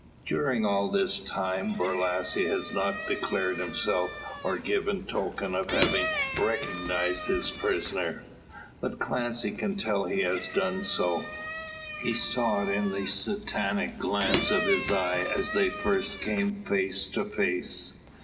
During all this time Borlasse has not declared himself, or given token of having recognised his prisoner. But Clancy can tell he has done so. He saw it in the Satanic glance of his eye as they first came face to face.